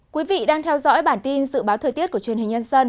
quý vị đang theo dõi bản tin dự báo thời tiết của truyền hình nhân dân